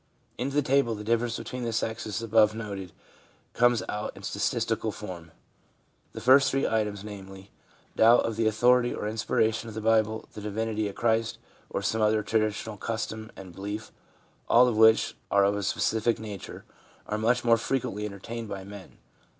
In the table the difference between the sexes above noted comes out in statistical form. The first three items, namely, doubt of the authority or inspiration of the Bible, the divinity of Christ, or some other traditional custom and belief, all of which are of a specific nature, are much more frequently entertained by men.